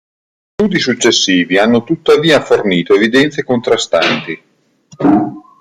Studi successivi hanno tuttavia fornito evidenze contrastanti.